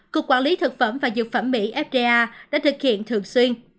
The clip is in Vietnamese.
cục quản lý thực phẩm và dược phẩm mỹ fda đã thực hiện thường xuyên